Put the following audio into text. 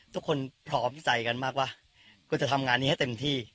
พร้อมใจกันมากว่ะก็จะทำงานนี้ให้เต็มที่